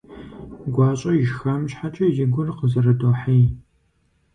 ГуащӀэ ишхам щхьэкӀэ и гур къызэрыдохьей.